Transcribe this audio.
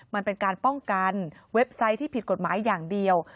มันเป็นการป้องกันเว็บไซต์ที่ผิดกฎหมายอย่างเดียว